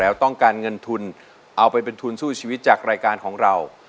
แล้วต้องการเงินทุนเอาไปเป็นทุนสู้ชีวิตจากรายการของเรา